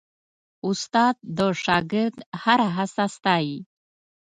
استاد د شاګرد هره هڅه ستايي.